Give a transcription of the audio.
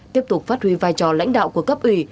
tiếp tục phát huy vai trò lãnh đạo của cấp ủy